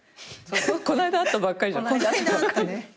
この間会ったばっかりじゃない？